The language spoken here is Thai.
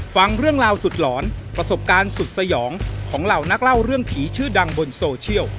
ฟังเรื่องราวสุดหลอนประสบการณ์สุดสยองของเหล่านักเล่าเรื่องผีชื่อดังบนโซเชียล